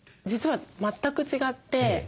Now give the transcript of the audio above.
実は全く違って。